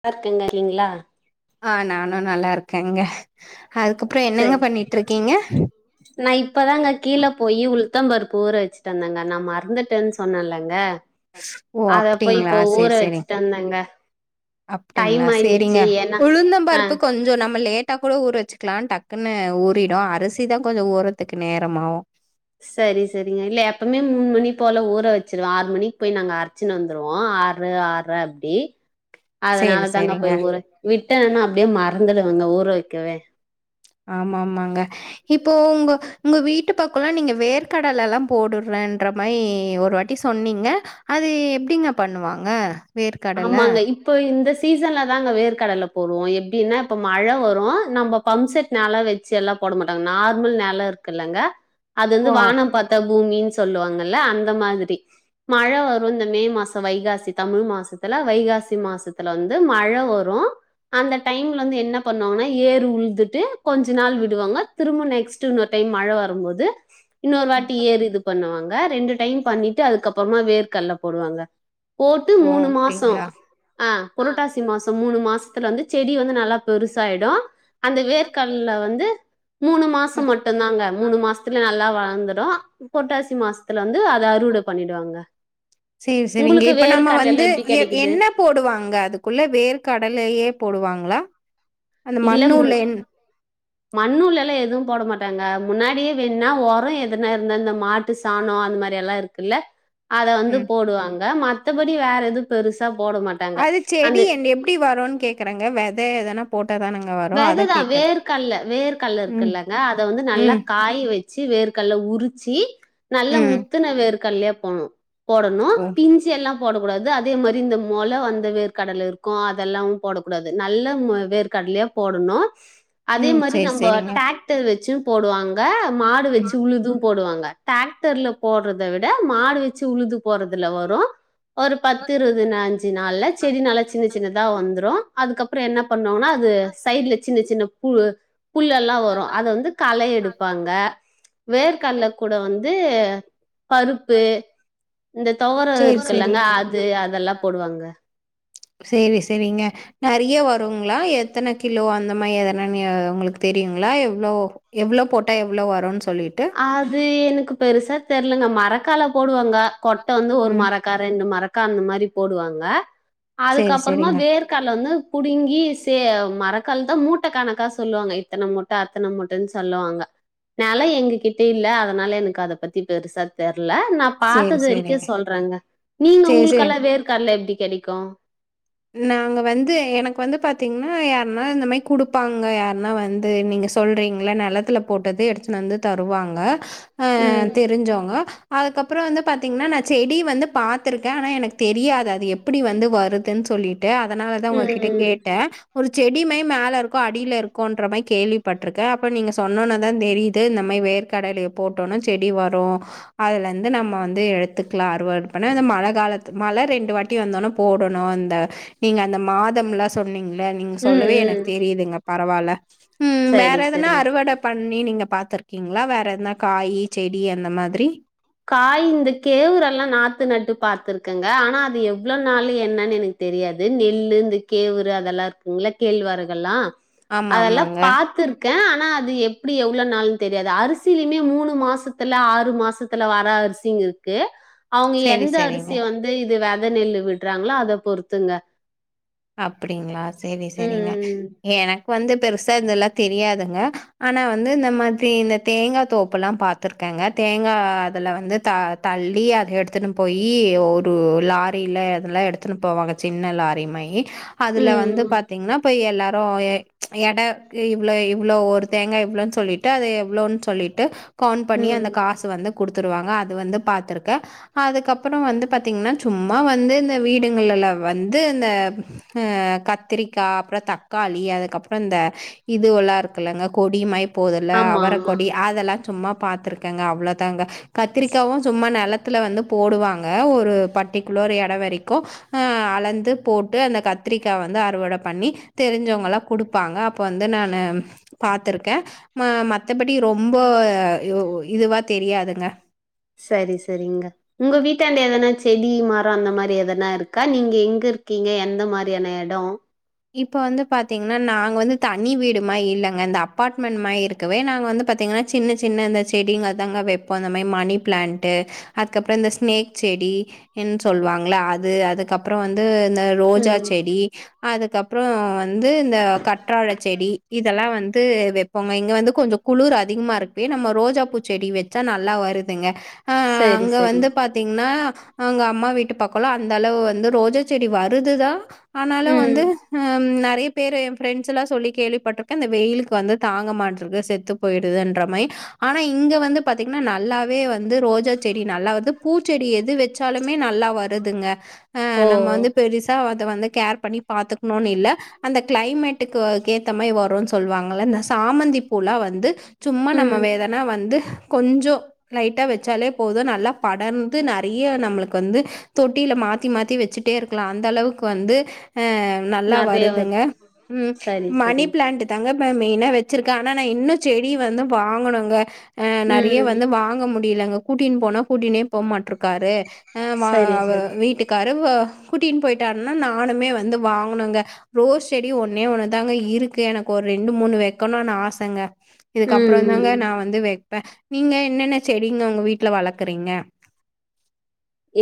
லாருக்க [inaudible] ஆ நானு நல்லா இருக்கேங்க அதுக்கப்புறோ என்னங்க செரி பண்ணிட்ருக்கீங்க நா இப்பதாங்க கீழ போயி உள் த்தம் பருப்பு ஊர வச்சிட்டு வந்தங்க நா மறந்துட்டன் சொன்னல்லங்க ஓ அப்டிங்ளா சேரி சேரிங் வச்சுட்டு வந்தேங்க அப்டிங்களா டைம் சேரிங்க ஆயிடுச்சு ஏன்னா உளுந்தம் ஆ பருப்பு கொஞ்சொ நம்ம லேட் டா கூட ஊற வச்சுக்லா டக்குன்னு ஊறிடு அரிசிதா கொஞ்சொ ஊற்ரதுக்கு நேரமாவு சரி சரிங்க இல்ல எப்பவ்மே மூணு மணி போல ஊற வச்சிருவ ஆறு மணிக் போய் நாங்க அர்ச்சின்னு வந்த்ருவோ ஆறு ஆற்ர அப்டி அதனால சேரி தாங்க சேரிங்க போய் ஊர விட்டனா அப்டியே மறந்துடுவங்க ஊர வெ கெவெ ஆமா ஆமாங்க இப்போ உங்க உங்க வீட்டு பக்கொல்லா நீங்க வேர்க்கடலல்லா போடுறன்ற மாயி ஒரு வாட்டி சொன்னீங்க அது எப்டிங்க பண்ணுவாங்க வேர்க்கடல ஆமாங்க இப்போ இந்த ஸ் சீசன்ல தாங்க வேர்க்கடல போடுவோ எப்டின்னா இப்போ மழ வரு நம்பொ பம்செட் நால வெச்சி எல்லா போட மாட்டோங்க நார்மல் நெல இருக்குல்லங்க அது ஓ வந்து அப்- வானம் பாத்த பூமின்னு சொல்லுவாங்கல்ல அந்த மாதிரி மழ வரு இந்த மே மாச வைகாசி தமிழ் மாசத் துல வைகாசி மாசத்துல வந்து மழ வரு அந்த டைம் வந்து என்ன பண்ணுவாங்னா ஏறு உழுதுட்டு கொஞ்ச நாள் விடுவாங்க திரும்ப நெக்ஸ்ட் இன்னொரு டைம் மழ வரும்போது இன்னொரு வாட்டி ஏறு இது பண்ணுவாங்க ஆ ரெண்டு டைம் பண்ணிட்டு அதுக்கப்றமா வேர்கல்ல போடுவாங்க போட்டு ஓ மூணு மாச து அப்டிங்களா ஆ புரட்டாசி மாசம் மூணு மாசத்துல வந்து செடி வந்து நல்லா பெருசாய்டு அந்த வேர்கல்ல வந்து மூணு ம் மாசம் மட்டும் தாங்க மூணு மாசத்துல நல்லா வளந்துடும் புரட்டாசி மாசத்துல வந் து அதை அறுவடை பண்ணிடுவாங்க சேரி சேரிங்க. உங்களுக்கு இப்ப வேறு நம்ம வந்து கடலைலாம் எ எப்பிடி என்ன போடுவாங்க அதுக்குள்ள வேர்கடலையே போடுவாங் லா அந்த மண்ணூ [unintelligible] மண்ணூல எல்லாம் எதுவும் போட மாட்டாங்க முன்னாடியே வேண்னா உரம் எதுனா இருந்தா ந்த மாட்டு சாணம் அந்த மாரி எல்லாம் இருக்குல்ல அத வந்து ம். போடுவாங்க மாட் மத்தபடி வேற எது பெருசா போட மாட்டாங்க அது அந்த செடி என் எப்டி வரும்ன்னு கேக்குறேங்க வே த எதனா போட் வெததான் வேர்க்கல்ல வேர்க்கல்ல ம். இருக்குல்லங்க அதை வந்து நல்லா ம். காய வச் ச்ச வேர்கல்ல உரிச்சி நல்லா ம். முத்துணவேர் கல்யா போனும் போடணும் ஓ! பிஞ்சி எல்லாம் போடக்கூடாது அதே மாரி இந்த மொல வந்த வேர்க்கடல இருக்கும் அதெல்லாம் போடக்கூடாது நல்ல வேர்க்கட்லய போடணும் அதே ம். மாதி சேரி நம்ப சேரிங்க. ட்டாக்டர் வச்சு போடுவாங்க மாடு வச்சு ம். உழுதும் போடுவாங்க டிராக்டர்ல போட்றத விட மாடு வச்சு உழுது போறதுல வரும் ஒரு பத்து இருபது அஞ்சு நாள்ல செடி நல்லா சின்ன சின்னதா வந்துரும் அதுக்கப்புறம் என்ன பண்ணோம்னா அது சைட்ல சின்ன சின்ன பு புல்லெல்லாம் வரும் அத வந்து களை எடுப்பாங்க வேர்ககடல்லல கூட வந் து பருப்பு இந்த துவர சேரி இருக்குல்லங்க சேரிங்க. அது அதெல்லாம் போடுவாங்க சேரி சேரிங்க நிறைய வருங்களா எத்தன கிலோ அந்த மாதிரி எதனன்னு உங்களுக்கு தெரியுங்களா எவ்ளோ எவ்வளோ போட்டா எவ்ளோ வரும் சொ அது எனக்கு பெருசா தெர் ல்லங்க மரக்கால போடுவாங் ங்க கொட்ட வந்து ஒரு ம். மரக்கா ரெண்டு மரக் க்கா அந்த மாரி போடுவாங்க சேரி அதுக்கப்புறமா சேரிங்க. வேர்க்கால்ல வந்து புடுங்கி சே மரக்கால்தா மூட்ட கணக்கா சொல்வாங்க இத்தன மூட்ட அத்தன மூட்டன்னு சொல்லுவாங்க நால் லா எங்க கிட்டே இல்ல அதனால எனக்கு அதப் பத்தி பெருசா தெர் ல நா சேரி பாத்தது வரைக்கு சேரிங்க. சொல்றேங்க நீங்க சேரி சேரி. உங்களுக்கெல்லா வேர்க்கல்ல எப்டி கெடைக்கு னா யாருனா இந்த மாரி குடுப்பாங்க யாருன்னா வந்து நீங்க சொல்றீங்கல்ல நெலத்துல போட்டது எடுத்துன்னு வந்து தருவாங்க ஆஹ் ம் தெரிஞ்சவுங்க அதுக்கப் றம் வந்து பார்த்தீங்னா நா செடி வந்து பாத்துருக்கே ஆனா எனக்கு தெரியாது அது எப்படி வந்து வருதுன்னு சொல்லி ட்டு அதனாலதா ம் உங்ககிட்ட ம் கேட்டே ஒரு செடிமே மேலருக்கு அடியில இருக்குன்ற மாரி கேள்விப்பட்டிருக்கே அப்ப நீங்க சொன்னோனேதாந் தெரியுது இந்த மாதிரி வேர்க கடலைய போட்டோனா செடி வரு அதுல ந்து நம்ம வந்து எத்துக்கலா அறுவட பண்ண மழ காலத்து மழ ரெண்டு வாட்டி வந்தோனே போடணு அத நீங்க அந்த மாதம்லா சொன்னீங் இல்ல நீங்க ம் சொல்லவே ம் எனக்கு தெரியுதுங்க பரவால உம் வேற சரி எதுனா சரிங்க அறுவட பண்ணி நீங்க பாத்துருக்கிங்ளா வேற எதனா காயி செடி அந்த மாதிரி காய் இந்த கேவுரெல்லா நாத்து நட்டு பாத்துருக்கங்க ஆனா அது எவ்ளோ நாளு என்னன்னு எனக்கு தெரியாது நெல்லு இந்த கேவுரு அதெல்லா இருக்குங்ல கேழ்வரகெல்லா ஆமா அதெல்லா ஆமாங்க பாத்துருக் கே ஆனா அது எப்டி எவ்ளோ நாளுன் தெரியாது அரிசிலுமே மூணு மாசத்துல ஆறு மாசத் துல வர அரிசிங்க இருக்கு அவங்க செரி எந்த செரிங்க அரிசிய வந்து இது வெ த நெல்லு விடறாங்ளோ அத பொறுத்துங்க அப்பிடிங்ளா செரி செரிங்க ம், எனக் வந்து பெருசா இதெல்லா தெரியாதுங்க ஆனா வந்து இந்த மாதிரி இந்த தேங்கா தோப்பெல்லா பாத்துருக்கங்க தேங்கா அதுல வந்து த தள்ளி அத எடுத்துனு போயி ஒரு லாரியில இதெல்லா எடுத்துனு போவாங்க சின்ன லாரி மாரி ம், அதுல வந்து ம், பாத்திங்னா இப்ப எல்லார் ஒ எ எட இவ்ளோ இவ்ளோ ஒரு தேங்கா இவ்ளோன் சொல்லிட்டு அது எவ்ளோன் சொல்லிட்டு கவுன் பண்ணி ம், அந்த ம். காச வந்து குடுத் துருவாங்க அது வந்து பாத்துருக்க அதுக்கப்றொ வந்து பாத்தீங்னா சும்மா வந்து இந்த வீடுங்கள்லல வந்து அந்த ஆ கத்திரிக்கா அப்றொ தக்காளி அதுக்கப்றொ இந்த இதுவல்லா இருக்குல்லங்க கொடி மாய் போதுல்ல ஆமா, அவரக் ஆமா. கொடி அதெல்லா சும்மா பாத்ருக்கங்க அவ்ளோதாங்க கத்ரிக்காவு சும்மா நெல த்துல வந்து போடுவாங்க ஒரு பட்டிகுலர் எடொ வரைக்கு ஆ அளந்து போட்டு அந்த கத் திரிக்கா வந்து அறுவட பண்ணி தெரிஞ்சவங்கல்லா குடுப்பாங்க அப்ப வந்து நானு பாத்துருக்க ம மத்தபடி ரொம்பொ இதுவா தெரியாதுங்க சரி சரிங்க உங்க வீட் டாண்ட எதனா செடி மரொ அந்த மாரி எதனா இருக்கா நீங்க எங்க இருக்கீங்க எந்த மாரியான எடொ இப்போ வந்து பாத்தீங்னா நாங்க வந்து தனி வீடுமாயி இல்லங்க இந்த அப்பாட்மெண்ட் மாய் இருக்கவே நாங்க வந்து பாத்திங்னா சின்னச் சின்ன இந்த செடிங்க தாங்க வெப்போ அந்த மாயி மணி ப்ளாண்ட்டு அதுக்கப்றொ இந்த ஸ்னேக் செடி ன் சொல்வாங்ல அது அதுக்கப்றொ வந்து அந்த ரோஜா ம். செடி கப்றொ வந்து இந்த கற்றாழ செடி இதெல்லா வந் து வெப்போங்க இங்க வந்து கொஞ்சோ குளூர் அதிகமா இருக்கவே நம்ம ரோஜாப்பூ செடி வெச்சா நல்லா வருதுங்க ஆ ஆ சரி, அங்க சரி. வந்து பாத்திங்னா அங்க அம்மா வீட்டு பக்கலா அந்த அளவு வந்து ரோஜா செடி வருதுதா ஆனாலு வந் ம். து ம் ந நெறைய பேரு எ ஃப்ரெண்ட்ஸ்ல்லா சொல்லி கேள்விப்பட்ருக்கே இந்த வெயிலுக்கு வந்து தாங்க மாட்ருக்கு செத்து போயிடுதுன்ற மாரி ஆனா இங்க வந்து பாத்திங்னா நல்லாவே வந்து ரோஜா செடி நல்லா வருது பூச்செடி எது வெச்சாலுமே நல்லா வருதுங்க ஆ ஓ! நம்ம வந்து பெருசா வந்து கேர் பண்ணி பாத்துக்ணுனு இல்ல அந்த கிளைமேட்டுக்கு கேத்த மாரி வருன் சொல்லுவாங்ல இந்த சாமந்தி பூலா வந்து சும்மா ம். நம்ம எதனா வந்து கொஞ்சோ லைட்டா வச்சாலே போது நல்லா படர்ந்து நெறைய நம்ளுக்கு வந்து தொட்டியில மாத்தி மாத்தி வச்சுட்டே இருக்லா அந்த அளவுக்கு வந்து ஆ நல்லா நெறைய வரும். வருதுங்க ம் சரி, மணி சரி. பிளாண்டு தாங்க நா மெயினா வெச்சிருக்கே ஆனா நா இன்னு செடி வந்து வாங்கனுங்க ஆஹ் நெறைய ம். வந்து வாங்க முடிலங்க கூட்டின்னு போனா கூட்டினே போ மாட்ருக்காரு ஆஹ் வா சரி, வ சரி. வீட்டுக்காரு வ கூட்டின்னு பொயிட்டாருன்னா நானுமே வ ந்து வாங்கணுங்க ரோஸ் செடி ஒன்னே ஒன்னு தாங்க இருக்கு எனக்கு ஒரு ரெண்டு மூணு வெக்கணுனு ஆசங்க இதுக்கப்ரோ ம், தாங்க ம். நா வந்து வெப்ப நீங்க என்னென்ன செடிங்க உங்க வீட்டுல வளக்குறீங்க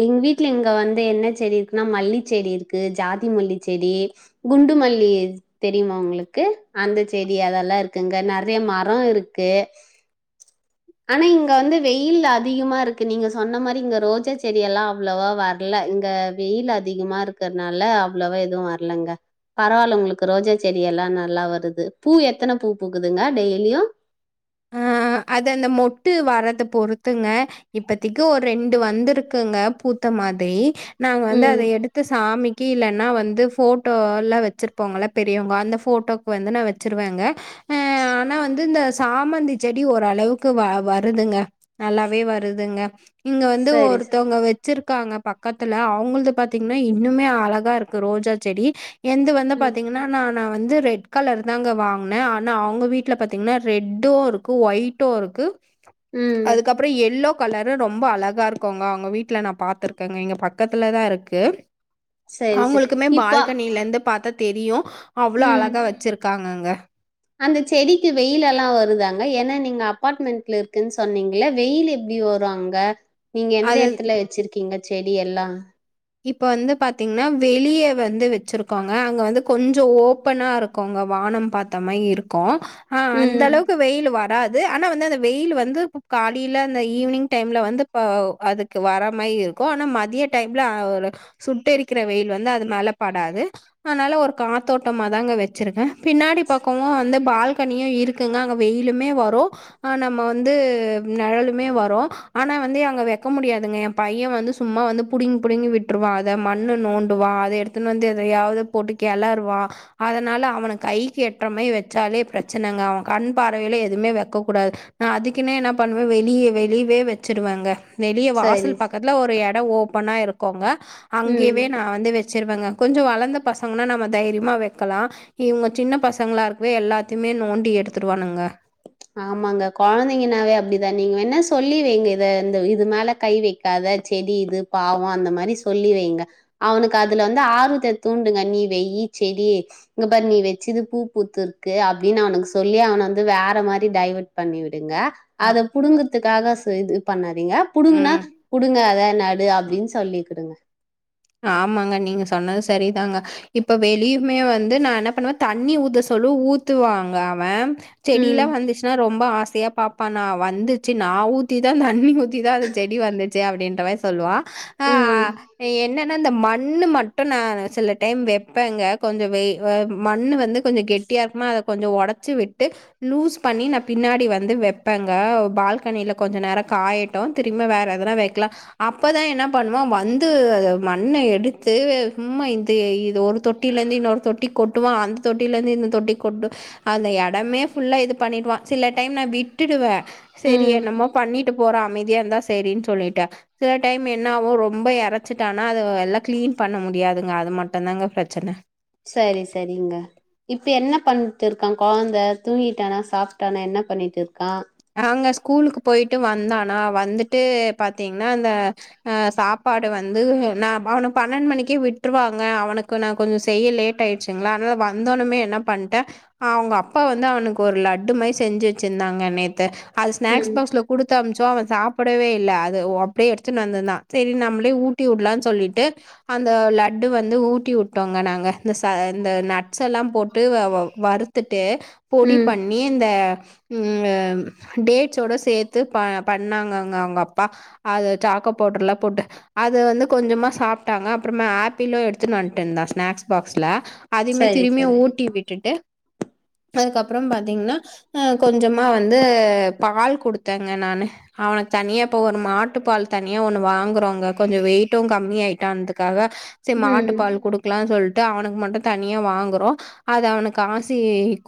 எங்க வீட்ல இங்க வந்து என்ன செடி இருக்குன்னா மல்லி செடி இருக்கு ஜாதி மல்லி செடி குண்டு மல்லி தெரியுமா உங்ளுக்கு அந்த செடி அதெல்லா இருக்குங்க நெறைய மரோ இருக்கு ஆனா இங்க வந்து வெயில் அதிகமா இருக்கு நீங்க சொன்ன மாரி இங்க ரோஜாச் செடி எல்லா அவ்ளோவா வர்ல இங்க வெயில் அதிகமா இருக்றதுனால அவ்ளோவா எதுவு வர்லங்க பரவால்ல உங்ளுக்கு ரோஜா செடி எல்லா நல்லா வருது பூ எத்தன பூ பூக்குதுங்க டெய்லியு ஆஹ் அது அந்த மொட்டு வர்றத பொறுத்துங்க இப்பத்தைக்கு ஒரு ரெண்டு வந்துருக்குங்க பூத்த மாதிரி நாங்க வந்து அத ம். எடுத்து சாமிக்கு இல்ல னா வந்து ஃபோட்டோல வச்சிருப்போங்கள பெரியவங்க அந்த ஃபோட்டோக்கு வந்து நா வெச்சிருவேங்க ஆஹ் ஆனா வந்து இந்தச் சாமந்தி செடி ஓரளவுக்கு வ வருதுங்க நல்லாவே வருதுங்க இங்க வந்து சரி, சரி. ஒருத்தவுங்க வெச்சிருக் இருக்காங்க பக்கத்துல அவுங்கள்து பாத்தீங்ன்னா இன்னுமே அழகா இருக்கு ரோஜா செடி என்து வந்து ம், பாத்திங்கன்னா நா நா வந்து ரெட் கலர் தாங்க வாங்குனே ஆனா அவங்க வீட்ல பாத்தீங்கன்னா ரெட்டு இருக் கு ஒயிட்டோ இருக்கு ம். அதுக்கப்பறோ எல்லோ கலரு ரொம்ப அழகா இருக்குங்க அவங்க வீட்ல நா பாத்துருக்கேங்க இங்க பக்கத்துல தா இருக்கு சரி, சரி. அவங்களுக்குமே இப்ப பால்கனிலந்து பாத்த தெரியு அவ்வளோ ம். அழகா வச்சிருக்காங்கங்க அந்த செடிக்கு வெயில் எல்லா வருதாங்க ஏன்னா நீங்க அப்பாட்மெண்ட்ல இருக்குன்னு சொன்னீங்கல்ல வெயில் எப்டி வரு அங்க நீங்க எந்த அது எடத்துல வெச்சிருக்கீங்க செடி எல்லா இப்ப வந்து பாத்தீங்கன்னா வெளியே வந்து வச்சிருக்கோங்க அங்க வந்து கொஞ்சொ ஓப்பனா இருக்குங்க வானம் பாத்த மாரி இருக்கு ஆஹ் அந்த ம். அளவுக்கு வெயில் வர் ராது ஆனா வந்து அந்த வெயில் வந்து காலில அந்த ஈவினிங் டைம்ல வந்து பா அதுக்கு வர மாரி இருக்கு ஆனா மதிய டைம் லா ஒரு சுட்டெரிக்கிற வெயில் வந்து அது மேல படாது அனால ஒரு காத்தோட்டமா தாங்க வெச்சிருக்கே பின்னாடி பக்கமு வந்து பால் தனியும் இருக்குங்க அங்க வெயிலுமே வரோம் நம்ம வந்து நிழலுமே வரோம் ஆனா வந்து அங்க வைக்க முடியாதுங்க எ பையன் வந்து சும்மா வந்துப் புடிங்கி புடுங்கி விட்டுருவா அத மண்ணு நோண்டுவான் அத எடுத்துன்னு வந்து எதையாவது போட்டு கிளறுவான் அதனால அவனு கைக்கு எட்டறமாரி வச்சாலே பிரச்சனைங்க அவன் கண் பார்வையில எதுவுமே வக்க கூடாது நான் அதுக்குன்னே என்ன பண்ணுவேன் வெளியே வெளியவே வச்சிடுவேங்க வெளிய சரி. வாசல் பக்கத்தில ஒரு இடம் ஒப் ஒன்னாஇருக்கோங்க ம். அங்கவே நா வந்து வச் சரிவங்க கொஞ்சம் வளர்ந்த பசங்கன்னா நம்ம தைரியமா வைக்கலாம் இவங்க சின்ன பசங்களா இருக்கவே எல்லாத்தையுமே நோண்டி எடுத்துடுவானுங்க ஆமாங்க குழந்தைங்கன்னாவே அப்படிதான் நீங்க வேனா சொல்லி வைங்க இத இந்த இது மேல கை வைக்காத செடி இது பாவம் அந்த மாரி சொல்லி வைங்க அவனுக்கு அதுல வந்து ஆர்வத்தை தூண்டுங்க நீ வெயி செடி இங்க பாரு நீ வச்சுது பூ பூத்து இருக்கு அப்படின்னு அவனுக்கு சொல்லி அவன வந்து வேற மாரி டைவட் பண்ணிவிட் டுங்க அ, அத புடுங்கதுக்காக செய்து பண்ண திங்க புடுங்கன்னா ம். புடுங்காத நடு அப்படின்னு சொல்லிகுடுங்க ஆமாங்க நீங்க சொன்னது சரிதாங்க இப்ப வெளியுமே வந்து நா என்ன பண்ணுவேன் தண்ணி ஊத்த சொல்லோ ஊத்துவாங்க அவ ம். செடிலாம் வந்துச்சுன்னா ரொம்ப ஆச சையா பாப்பா நா வந்துச்சு நா ஊத்திதா தண்ணி ஊத்திதா அந்த செடி வந்துச்சு அப்படின்ற மாரி சொல்லுவா ம். ஆஹ் என்ன ஆனா இந்த மண்ணு மட்டும் நான் சில டைம் வைப்பேங்க கொஞ்சம் வை எ மண் வந்து கொஞ்சம் கெட்டியாக இருக்குமா அத கொஞ்சம் உடைச்சி விட்டு லூஸ் பண்ணி நா பின்னாடி வந்து வைப்பேங்க பால்கனியில கொஞ்சம் நேரம் காயட்டும் திரும்ப வேற எதனா வைக்கலாம் அப்போதான் என்ன பண்ணுவான் வந்து மண்ண எடுத்து சும்மா இது இது ஒரு தொட்டிலேயிந்து இன்னொரு தொட்டிக்கு கொட்டுவா அந்த தொட்டிலேந்து இந்த தொட்டி கொட்டு அந்த இடமே ஃபுல்லாக இது பண்ணிவிடுவான் சில டைம் நான் விட்டுவே சரி ம். என்னமோ பண்ணிட்டு போற அமைதியா இந்தா சரின்னு சொல்லிட்டு சில டைம் என்னாவும் ரொம்ப எறச்சிட் டானா அது எல்லா கிளீன் பண்ண முடியாதுங்க அது மட்டம்தான்ங்க பிரச்சனை சரி சரிங்க இப்ப என்ன பண்ட்டு இருக்கா கொழந்தை தூங்கிட்டானா சாப்ட்டானா என்ன பண்ணிட்டு இருக்கா அங்கே ஸ்கூலுக்கு போயிட்டு வந்தானா வந்துட்டு பாத்தீங்கன்னா அந்த ஆ சாப்பாடு வந்து நா அவனை பன்னெண் மணிக்கே விட்டுருவாங்க அவனுக்கு நா கொஞ்சம் செய்ய லேட் ஆயிடுச்சுங்களா அதனால் வந்தோனமே என்ன பண்ட்டேன் அவங்க அப்பா வந்து அவனுக்கு ஒரு லட்டு மாதிரி செஞ்சு வச்சருந்தாங்க நேத் த்து அது ஸ்நாக்ஸ் ம். பாக்ஸ்ல குடுத்து அம்ச்சம் அவ சாப்பிடவே ல அது அப்படியே எடுத்துட்டு வந்த தான் சரி நம்மளே ஊட்டி உட்லாம்னு சொல்லிட்டு அந்த லட்டு வந்து ஊட்டி விட்டோங்க நாங்க இந்த ச இந்த நட்ஸ் எல்லாம் போட்டு வருத்து ட்டு பொடி ம் பண்ணி இந்த உம் அ டேட்ஸோட சேர்த்து ப பண்ணாங்க அங்க அவங்க அப்பா அது சாக்கா பவுடர்லாம் போட்டு அத வந்து கொஞ்சமா சாப்டானா அப்புறமா ஆப்பிளோ எடுத்துட்டு வந்துடு இருந்த ஸ்நாக்ஸ் பாக்ஸ்ல அதுமே சரி திரும்பி சரி ஊட்டி விட்டுட்டு அதுக்கப்புறம் பாத்தீங்கன்னா அஹ் கொஞ்சமா வந்து வந்து பால் கொடுத்தேங்க நானு அவன தனியா இப்போ ஒரு மாட்டு பால் தனியா ஒன்னு வாங்குறோங்க கொஞ்சம் வெயிட்டும் கம்மி ஆயிட்டான்துக்காக சரி மாட்டு ம் பால் கொடுக்கலானு சொல் அவனுக்கு மட்டும் தனியா வாங்குறோம் அத அவனுக்கு ஆத்தி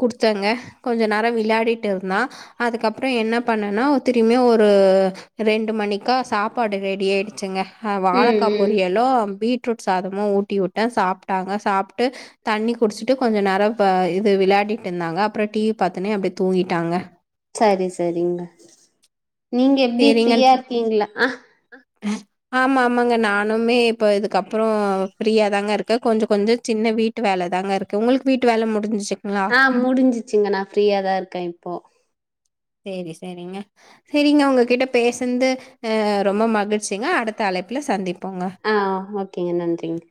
குடுத்தங்க கொஞ்ச நேரம் விளையாடிட்டு இருந்தா அதுக்கப்புறம் என்ன பண்ணன்னா திரும்பியும் ஒரு ரெண்டு மணிக்கா சாப்பாடு ரெடி ஆயிடுச்சங்க ஹ ம் வாழக்கா ம் பொரியலும் பீட் ரூட் சாதமும் ஊட்டி விட்டே சாப்ட்டாங்க சாப்ட்டு தண்ணி குடிச்சிட்டு கொஞ்ச நேரம் த இது விளையாடிட்டு இருந்தாங்க அப்புறம் டீவி பாத்துனே அப்படியே தூங்கிட்டாங்க சரி சரிங்க நீங்க டி எப்படி சரிங்க ஃப்ரீயா இருக்கீங்களா ஆ ஆமா ஆமாங்க நானுமே இப்ப இதுக்கப்புறம் ஃப்ரீயா தாங்க இருக்கேன் கொஞ்சம் கொஞ்சம் சின்ன வீட்டு வேலை தாங்க இருக்கு உங்களுக்கு வீட்டு வேலை முடிஞ்சிச்சு ஆஹ் முடிஞ்சிச்சுங்க நான் ஃப்ரீயாதான் இருக்கேன் இப்போ சேரி சேரிங்க சரிங்க உங்ககிட்ட பேசந்து ஆ ரொம்ப மகிழ்ச்சிங்க அடுத்த அழைப்புல சந்திப் ஆ ஓகேங்க நன்றிங்க